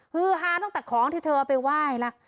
ฮือฮาตั้งแต่ของที่เธอเอาไปไหว้แล้ว